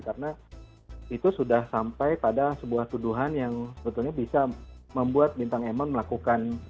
karena itu sudah sampai pada sebuah tuduhan yang sebetulnya bisa membuat bintang emon sebuah syoku yang tidak bisa dikeluarkan